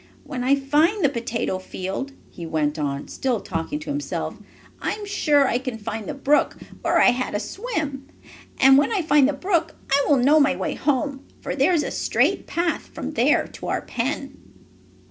"When I find the potato field," he went on, still talking to himself, "I am sure I can find the brook where I had a swim. And when I find the brook I will know my way home, for there is a straight path from there to our pen."